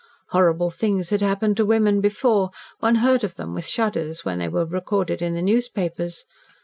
Horrible things had happened to women before, one heard of them with shudders when they were recorded in the newspapers.